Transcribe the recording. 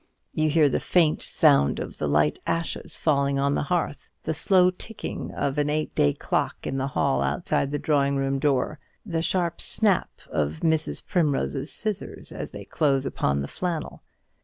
You hear the faint sound of the light ashes falling on the hearth, the slow ticking of an eight day clock in the hall outside the drawing room door, the sharp snap of Mrs. Primrose's scissors as they close upon the flannel.